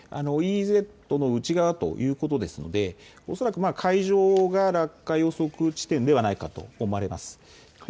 ＥＥＺの内側ということですので恐らく海上が落下予測地点ではないかと思われます。